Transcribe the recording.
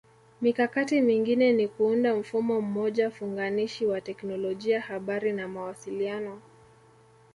Mikakati mingine ni kuunda mfumo mmoja funganishi wa Teknolojia Habari na Mawasiliano